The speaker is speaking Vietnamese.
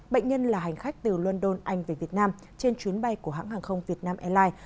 bệnh nhân là hành khách từ london anh về việt nam trên chuyến bay của hãng hàng không việt nam airlines